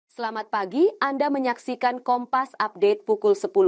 selamat pagi anda menyaksikan kompas update pukul sepuluh